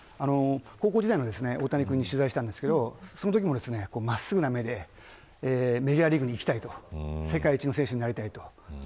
高校時代の大谷君に取材しましたがそのときも真っすぐな目でメジャーリーグに行きたいと世界一の選手になりたいと。